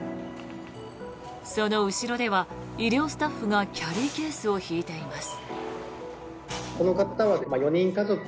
その後ろでは医療スタッフがキャリーケースを引いています。